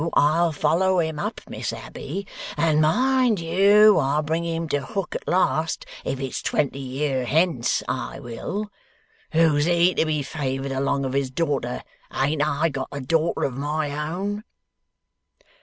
I'll follow him up, Miss Abbey! And mind you! I'll bring him to hook at last, if it's twenty year hence, I will! Who's he, to be favoured along of his daughter? Ain't I got a daughter of my own!